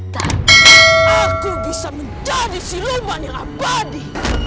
tapi aku bisa menjadi si luman yang abadi